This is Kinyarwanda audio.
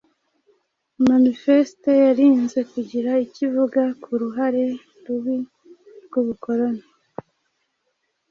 Manifeste yirinze kugira icyo ivuga ku ruhare rubi rw'ubukoloni,